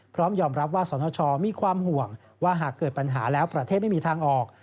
พร้อมยอมรับว่าสนชมีความห่วงว่าหากเกิดปัญหาแล้วประเทศไม่มีทางออก